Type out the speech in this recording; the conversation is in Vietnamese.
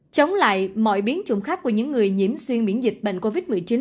chống lại mọi biến chủng khác của những người nhiễm xuyên miễn dịch bệnh covid một mươi chín